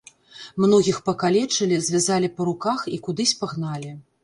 Многіх пакалечылі, звязалі па руках і кудысь пагналі.